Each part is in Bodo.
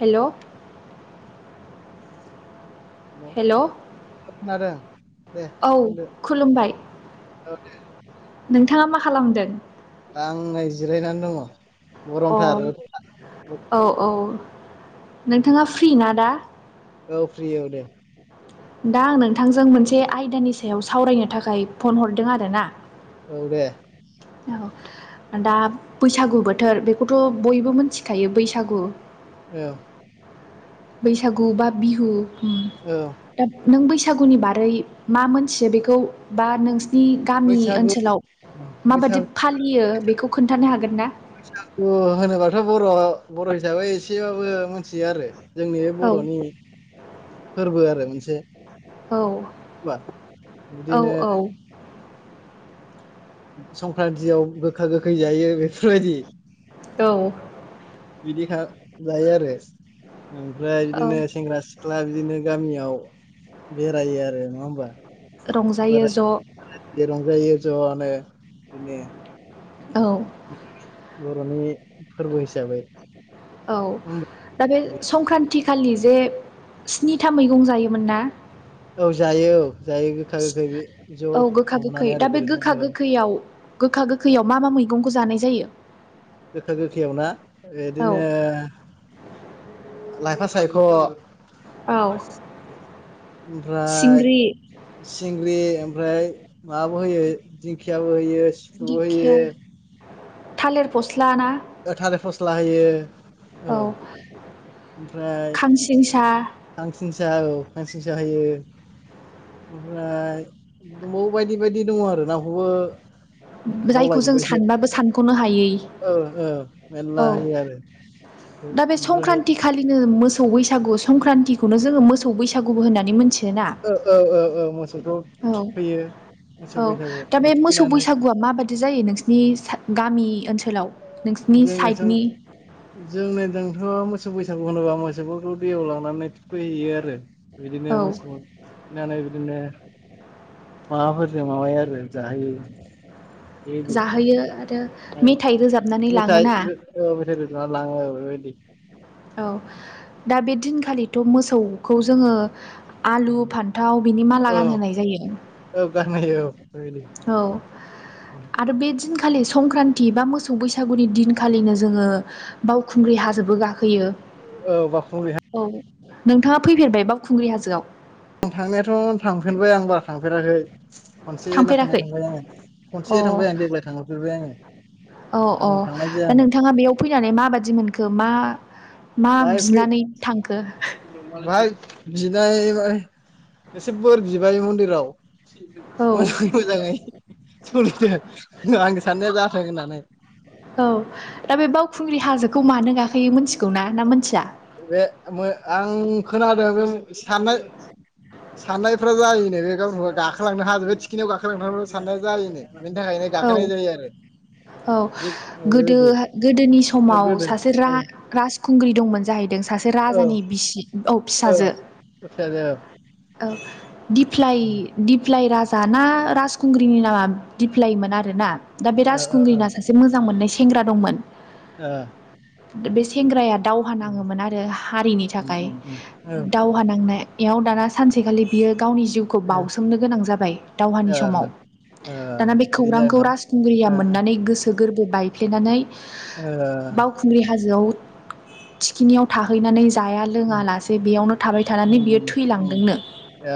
हेल' हेल' खोनादों दे बुंदो। खुलुमबाय [unintelligible] नोंथाङा मा खालामदों? आं नै जिरायनानै दङ। अ गरमथार औ औ नोंथाङा फ्रि ना दा? औ फ्रि औ दे दा आं नोंथांजों मोनसे आयदानि सायाव सावरायनो थाखाय फन हरदों आरोना। औ दे औ दा बैसागु बोथोर बेखौथ' बयबो मिथिखायो बैसागु औ बैसागु बा बिहु औ दा नों बैसागुनि बारै मा मोनथियो बेखौ बा नों नि गामि बैसागु ओनसोलाव माबादि बैसागु फालियो बेखौ खोन्थानो हागोन ना? बैसागो होनोबाथ' बर'आ बर' हिसाबै एसेबाबो मोनथियो आरो जोंनि औ बर'नि फोरबो आरो मोनसे औ बा औ बिदिनो औ संक्रान्तियाव गोखा गोखै जायो बे फोरबायदि औ बिदि खा जायो आरो ओमफ्राय औ बिदिनो सेंग्रा सिख्ला बिदिनो गामियाव बेरायो आरो नङा ओमबा? रंजायो ज' रंजायो ज'आनो बिदिनो औ बर'नि फोरबो हिसाबै औ दा बे संक्रान्ति खालि जे स्निथा मैगं जायोमोन ना? औ जायो औ जायो गोखा गोखै बे ज' औ गोखा गोखै हमनानै आरो दा बे बेदरजों गोखा औ गोखैयाव गोखा गोखैयाव मा मा मैगंखौ जानाय जायो? गोखा गोखैयाव ना औ ओदिनो लाफा सायख' औ ओमफ्राय सिंग्रि सिंग्रि ओमफ्राय माबाबो होयो दिंखियाबो होयो सिब्रुबो होयो। दिंखिया थालिर फस्ला ना थालेर फस्ला होयो औ ओमफ्राय खांसिंसा खांसिनस औ खांसिनसा होयो। ओमफ्राय दंबावो बायदि बायदि दङ' आरोना [unintelligible] जायखौ जों सानबाबो सानख'नो हायै औ औ मेरला औ होयो आरो दा बे ओमफ्राय संक्रान्ति खालिनो मोसौ बैसागु संक्रान्तिखौनो जोङो मोसौ बैसागुबो होननानै मोनथि ओ ओ ओ ओ मोसौथ' औ औ दा बे मोसौ थुखैनानै बैसागुआ माबादि दि जायो नोंसिनि गामि ओनसोलाव नोंसिनि जोंनिथिं साइडनि जोंनिथिंथ' मोसौ बैसागु होनोबा मोसौफोरखौ दैयाव लांनानै थुखैहैयो आरो औ बिदिनो मोसौ फिनानै बिदिनो माबाफोरजों माबाया आरो जाहोयो। बेबायदि जाहोयो आरो औ मेथाइ रोजाबनानै मेथाइ लाङोना औ मेथाइ रोजाबना लाङो औ बेबायदि औ दा बे दिनखालिथ' मोसौखौ जोङो आलु फान्थाव बिनि माला औ गानहोनाय जायो। औ गानहोयो औ बेबायदि औ आरो बे खालि संक्रान्ति बा मोसौ बैसागुनि दिनखालिनो जोङो बावखुंग्रि हाजोबो गाखोयो। औ बावखुंग्रि हा औ नोंथाङा फैफेरबाय बावखुंग्रि हाजोआव? थांनायाथ' [unintelligible] खनसे ना खननै थांफेराखै थांबाय आङो अ खनसे थांबाय आं देग्लाय थांरफेरबाय आङो। औ औ आं थांनाय दा जायामोन नोंथाङा बेयाव फैनानै माबादि मोनखो मा? [unintelligible] [unintelligible] मा बिनानै थांखो? एसे बोर बिबाय मन्दिराव औ मोजां मोजाङै [unintelligible] आंनि साननाया जाथों होननानै। औ दा बे बावखुंग्रि हाजोखौ मानो गाखोयो मोनथिगौना ना मोनथिया? बे मो आं खोनादों बे साननाय साननायफ्रा जायोनो बे गावनि गाखोलांनो हाजोबबा थि खिनियाव गाखोलांथारबा साननाया जायोनो बेनि थाखायनो औ गाखोनाय जायो आरो औ बेबायदि गोदोहा गोदोनि समाव सासे गोदो सासे औ रा-राजखुंग्रि दंमोन जाहैदों सासे औ राजानि बिसि औ [unintelligible] औ दिप्लाइ दिप्लाइ राजा ना राजखुंग्रिनि नामा दिप्लाइमोन आरोना दा बे ओ राजखुंग्रिना सासे मोजां मोननाय सेंग्रा दंमोन ओ बे सेंग्राया दावहा ओ नाङोमोन आरो हारिनि उम थाखाय उम उम औ दावहा नांना याव दाना सानसेखालि बियो गावनि जिउखौ ओ बाउसोमनो गोनां जाबाय दावहानि समाव ओ ओ दाना बे बिदि खौरांखौ जागोना राजखुंग्रिया ओ मोननानै गोसो गोरबो बायफ्लेनानै ओ बावखुंग्रि हाजोयाव थिखिनियाव थाहैनानै जाया लोङा उम लासे बेयावनो थाबाय थानानै बियो उम उम थैलांदोंनो ए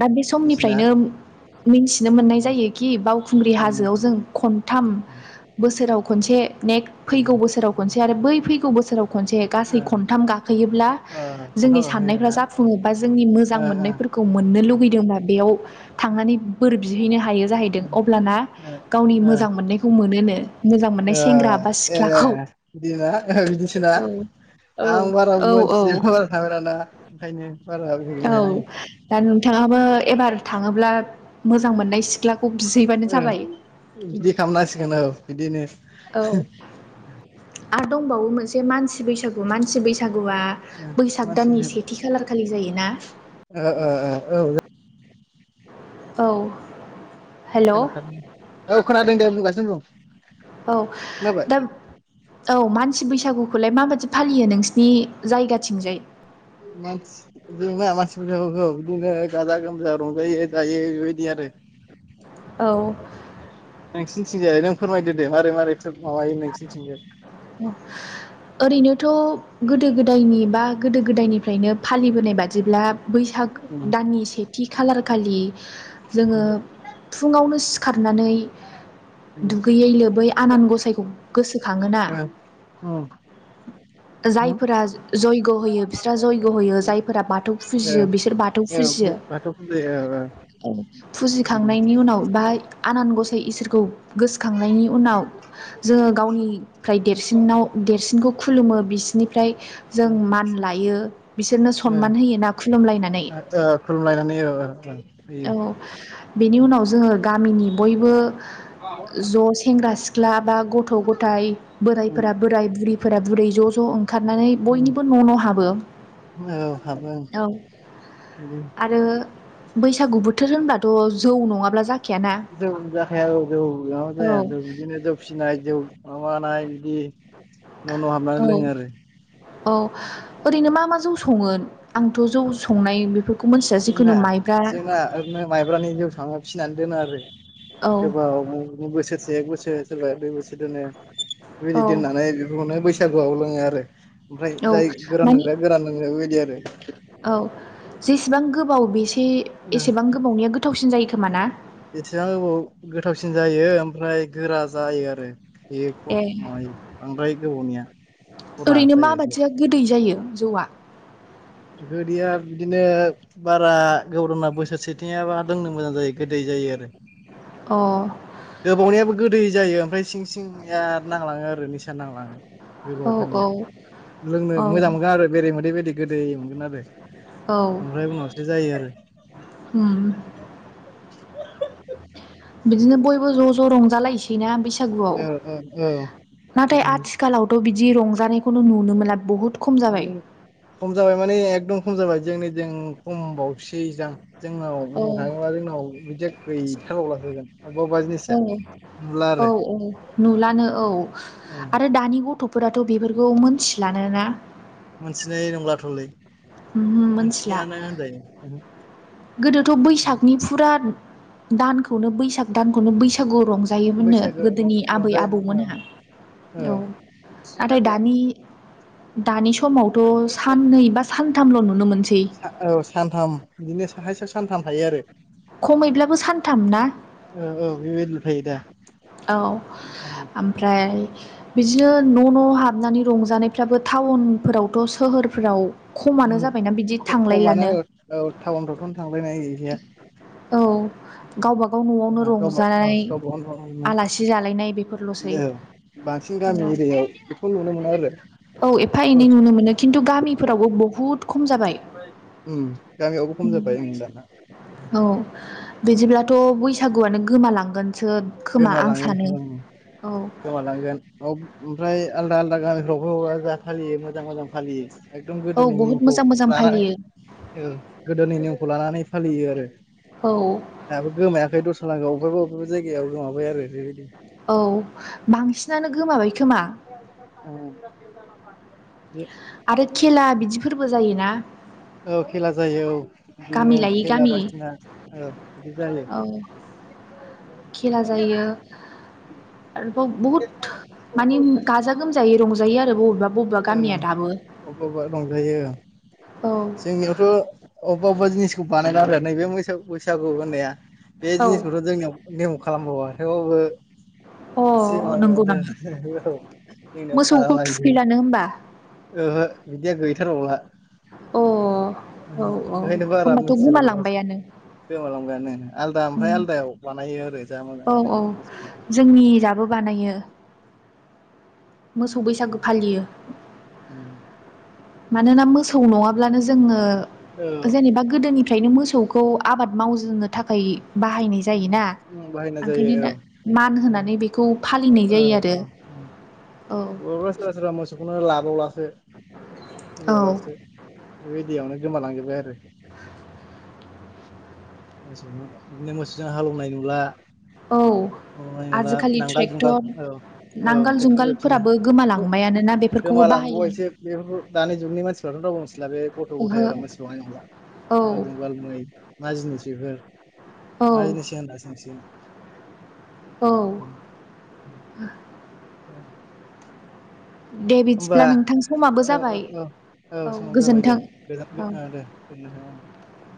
दा बे बिदिसोना समनिफ्रायनो मिथिनो मोननाय उम जायोखि बावखुंग्रि ओ हाजोयाव जों खनथाम बोसोराव खनसे नेक्स्ट फैगौ बोसोराव ओ खनसे आरो बै फैगौ बोसोराव खनसे गासै खथाम गाखोयोब्ला जोंनि खन्थाव साननायफ्रा गाखोयोना जाफुङो बा जोंनि मोाजां ओ ओ मोननायफोरखौ मोननो लुगै नाया बेयाव थांनानै बोर बिहैनो हायो जाहैदों अब्लाना ओ ओ गावनि मोजां मोननायखौ मोनोनो ओ मोननाय सेंग्रा बा सिख्लाखौ ओ बिदिसो ना औ औ आं बारा औ औ मोनथिजोबा बारा थांफेराना ओंखायनो बारा बुंजोबनो हाया आं नोथाङाबो एबार थाङोब्ला मोजां मोननाय सि ओम बिदि खालामनांसिगोन औ बिदिनो औ आर दंबावो मोनसे मानसि बैसागु मानसि बैसागु ओ बैसागुआ बैसाग दाननि मानसिजों सेथि खालारखालि जायोना ओ ओ ओ औ औ हेल' खोनाखार औ औ खोनादों दे बुंगासिनो बुं औ खोनाबाय दा औ मानसि बैसागु खौलाय माबायदि फालियो नोंसिनि जायगाथिंजाय मानसि जोंना मानसि बैसागुखौ बिदिनो गाजा गोमजा रंजायो जायो बेबायदि आरो औ [unintelligible] जाया नों फोरमायदो दे मारै मारै माबायो नोंसिनिथिंजाय ओरैनो थ' गोदो गोदायनि बा गोदो गोदायनिफ्रायनो फालिबोनाय बादिब्ला बैसाग दाननि सेथि खालारखालि जोङो फुङावनो सि खारनानै दुगैयै लोबै आनान गसायखौ गोसोखाङोना जायफोरा जयग' होयो बिस्रा जयग' होयो जायफोरा बाथौ फुजियो बिसोर बाथौ औ बाथौ फुजियो औ औ औ फुजिखांनायनि उनाव बाहाय आनान गसाइ इसोरखौ गोसखांनायनि उनाव जोङो गावनिफ्राय देरसिनाव देरसिनखौ खुलुमो बिसिनि ओमफ्राय जों मान लायो बिसोरनो सनमान होयो ना खुलुमलायनानै ओ [unintelligible] औ बेनि उनाव जोङो गामिनि बयबो ज' सेंग्रा सिख्ला ख्ला बा गथ' गथाय बोरायफोरा बोराय बुरैफोरा बुरै ज' ज' ओंखारनानै बयनिबो न' न' हाबो औ हाबो औ बिदि आरो गु बोथोर होनब्लाथ' जौ नङाब्ला जा जौ जाखाया आरो जौ माबा औ जाया जों बिदिनो जौ फिसिनाय जौ माबानाय बिदि न' न' हाबनानै औ लोङो आरो। औ ओरैनो मा मा जौ सङो आंथ' जौ संनाय बेफोरखौ मिथिया जिखुनु जोंना माइब्रा जोंना ओरैनो माइब्रानि जौ सङो फिनानै दोनो आरो औ गोबाव बोसोरसे एक बोसोर सोरबा दुइ बोसोर दोनो। बेबायदि औ दोननानै बेखौनो बैसो सागुआव लोङो आरो ओमफ्राय औ जाय गोरान मानि लोंग्राया गोरान लोंग्रा बेबायदि आरो। औ जेसेबां गोबाव बेसे एसेबां गोबावनिया गोथावसिन जायो खोमा ना? एसेबां गोबाव गोथावसिन जायो ओमफ्राय गोरा जायो आरो। बे ए माबयो बांद्राय गोबावनिया खरा जायो एसे। जौवा गोदैया बिदिनो बारा गोरना बोसोरसेथियाबा लोंनो मोजां जायो आरो गोदै जायो आरो। अ औ गोबावनायाबो गोदै जायो ओमफ्राय सिं सिंया नांलाङो आरो निसा नांलाङो औ गोबावथारनिया। लोंनो औ मोजां मोनगोन आरो बेरे मोदै बायदि गोदै मोनगोन आरो। औ ओमफ्राय उनावसो जायो आरो उम [unintelligible] बिदिनो बयबो ज' ज' रंजालायसैना बैस सागुआव औ औ औ नाथाय बिदिनो आथिखालावथ बिदि रंजानायखौनो नुनो मोनला बुहुत खम जाबाय माने एकदम खम जाबाय जोंनि थि खम बाव सैदां जोंनाव औ बुंनो थाङोबा जोंनाव बिदिया गैथारबावलासोगोन। औ औ औ नुलानो औ। आरो दानि गथ'फोराथ बेफोरखौ मोनथिलानो ना? मोनथिनाय नंलाथ'लै ओमहो मोनथिला मोनथियानो होनजायो। गोदोथ बैसागनि फुरा दानखौनो बैसाग दानखौनो बैसागु रंजायोमोननो बैसागो गोदोनि आबै रंजायोमोन औ आबौमोनहा। औ आरो दानि दानि समावथ साननै बा सानथामल नुनो मोनसै। औ सानथाम बिदिनो साहायसे सानथाम थायो आरो। औ खमैब्लाबो सानथाम ना औ बेबायदिनो थायो दा। औ आमफ्राय बिदिनो न' न' हाबनानै रंजानायफ्राबो टाउनफोरावथ सोहोरफोराव उम खमानो जाबायना बिदि थांलायलानो। फोरावथन थांलायनाय गैखाया। औ गावबागाव न'आवनो गावबा औ रंजानाय गावबा गाव न'आवनो आलासि जालायनाय बेफोरल'सै। औ बांसिन गामि एरियायाव बेखौ नुनो मोनो आरो। औ एफा एनै नुनो मोनो खिन्थु गामिफोरावबो बहुत उम गामियावबो खम जाबाय उम दाना। औ बिदिब्लाथ बैसागुआनो गोमालांगोनसो खोमा आं गोमालांगोन सानो उम औ। गोमालांगोन औ ओमफ्राय आलदा आलदा गामिफ्रावबो जा फालियो मोजां मोजां फालियो। एकदम औ गोदोनि बहुद निमखौ मोजां मोजां लानानै फालियो गोदोनि निमखौ लानानै फालियो आरो। औ दाबो गोमायाखै दस्रा गामियाव बबेबा बबेबा जायगायाव गोमाबाय आरो बेबायदि औ बांसिनानो गोमाबाय खोमा। औ आरो खेला बिदिफोरबो जायोना? औ खेला जायो औ गामि बिदिनो लायै खेला गामि बायसिना औ बिदि जायो। औ खेला जायो। आरोबाव बहुत मानि गाजा गोमजायै रंजायो आरो बबेबा बबेबा औ गामिया दाबो अबेबा अबेबा रंजायो औ औ जोंनियावथ' अबेबा अबेबा जिनिसखौ बानायला आरो नैबे बैसागु होननाया बे औ जिनिसखौथ' जोंनियाव नेम खालामबावा थेवबो अ नंगौ नामा [unintelligible] मोसौखौ थुखैलानो होमबा ओहो बिदिया गैथारबावला। अ औ औ ओंखायनो बारा होनबाथ' मिथिबावलासो गोमालांबायानो। गोमालांबायानो आलदा ओमफ्राय उम आलदायाव बानायो आरो जा मोजां औ औ बानायो [unintelligible] जोंनि जाबो बानायो ओं मोसौ बैसागो फालियो। औ मानोना मोसौ नङाब्लानो जोङो जेनेबा गोदोनि फ्रायनो मोसौखौ आबाद मावजेननो थाखाय बाहायनाय जायोना बाहायनाय ओंखायनो दा जायो मान औ होनानै बेखौ फालिनाय जायो आरो। [inaudible] बा सोरबा सोरबा मोसौखौनो लाबावलासो औ फिसिबावलासो बेबायदि यावनो गोमालांजोबबाय आरो बिनो मोसौ जों हालौवनाय नुला औ [unintelligible] नुला आजिखालि नांगाल जुंगाल ट्रेक्टर औ औ नांगोल ट्रेक्टर जोबसै जुंगालफोराबो गोमालांबायानोना [unintelligible] बेफोरखौबो गोमालांबावो बाहायला एसे बे दानि जुगनि मानसिफ्रा बाव मोनथिला बे गथ' ओहो गथाय मोनथिबावनाय नंला। नांगाल औ जुंगाल मै मा जिनिस बेफोर मा औ जिनिसै होनना सोंसिगोन। औ [inaudible] दे होनबा बिदिब्ला नोंथां समाबो औ जाबाय औ औ समाबो जाबाय दे गोजोनथों औ दे [unintelligible]